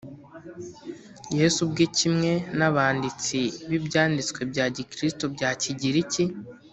Yesu ubwe kimwe n abanditsi b Ibyanditswe bya Gikristo bya Kigiriki